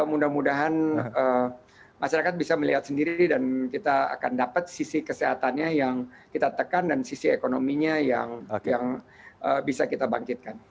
mudah mudahan masyarakat bisa melihat sendiri dan kita akan dapat sisi kesehatannya yang kita tekan dan sisi ekonominya yang bisa kita bangkitkan